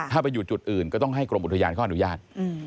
ถ้าไปอยู่จุดอื่นก็ต้องให้กรมอุทยานเขาอนุญาต